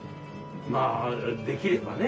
まあできればね。